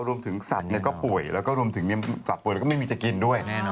รวมถึงสัตว์ก็ป่วยรวมถึงสัตว์ป่วยก็ไม่มีจะกินด้วย